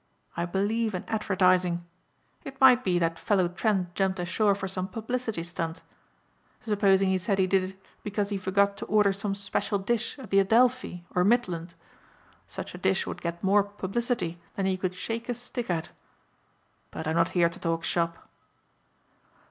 I believe in advertising. It might be that fellow Trent jumped ashore for some publicity stunt. Supposing he said he did it because he forgot to order some special dish at the Adelphi or Midland? Such a dish would get more publicity than you could shake a stick at. But I'm not here to talk shop."